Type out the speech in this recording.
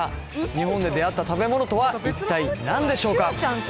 日本で出会った食べ物とは一体何でしょうか？